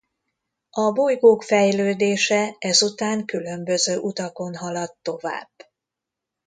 A bolygók fejlődése ezután különböző utakon haladt tovább.